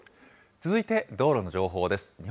続いて道路の情報です。